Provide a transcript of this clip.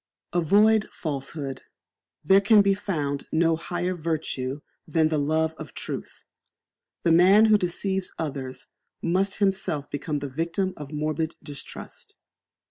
Avoid falsehood. There can be found no higher virtue than the love of truth. The man who deceives others must himself become the victim of morbid distrust.